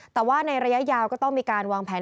แต่ว่าในระยะยาวก็ต้องมีการวางแผน